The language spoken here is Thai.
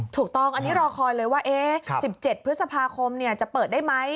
ถูกต้องอันนี้รอคอยเลยว่า๑๗พฤษภาคมจะเปิดได้ไหม